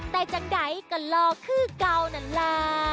แต่จังใดก็รอคือเก่านั้นล่ะ